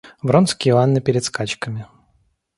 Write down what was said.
Вронский у Анны перед скачками.